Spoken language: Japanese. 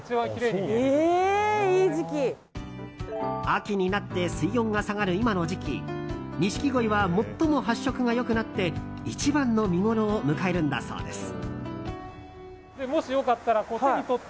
秋になって水温が下がる今の時期ニシキゴイは最も発色が良くなって一番の見ごろを迎えるんだそうです。